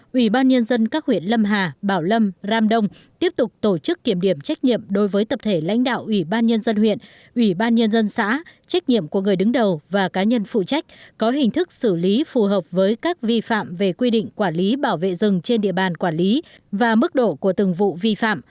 ủy ban nhân dân các huyện lâm hà bảo lâm ram đông tiếp tục tổ chức kiểm điểm trách nhiệm đối với tập thể lãnh đạo ủy ban nhân dân huyện ủy ban nhân dân xã trách nhiệm của người đứng đầu và cá nhân phụ trách có hình thức xử lý phù hợp với các vi phạm về quy định quản lý bảo vệ rừng trên địa bàn quản lý và mức độ của từng vụ vi phạm